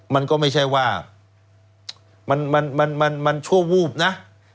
มันก็ไม่ใช่ว่ามันชั่ววูบนะ